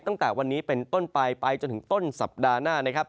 ตั้งแต่วันนี้เป็นต้นไปไปจนถึงต้นสัปดาห์หน้านะครับ